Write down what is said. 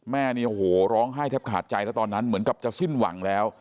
แม่เนี่ยโอ้โหร้องไห้แทบขาดใจแล้วตอนนั้นเหมือนกับจะสิ้นหวังแล้ว